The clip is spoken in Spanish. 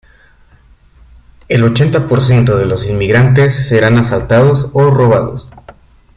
El ochenta por ciento de los inmigrantes serán asaltados o robados.